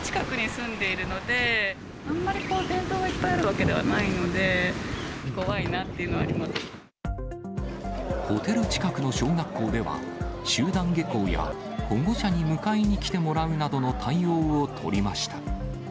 あんまり電灯がいっぱいあるわけではないので、怖いなっていうのホテル近くの小学校では、集団下校や保護者に迎えに来てもらうなどの対応を取りました。